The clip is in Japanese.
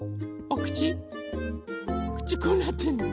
おくちこうなってんの。